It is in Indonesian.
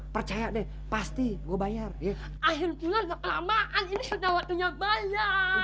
percaya deh pasti gua bayar ya akhir bulan gak kelamaan ini sudah waktunya bayar